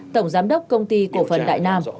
tổng giám đốc công ty cổ phần đại nam